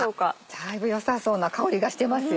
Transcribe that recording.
だいぶ良さそうな香りがしてますよね。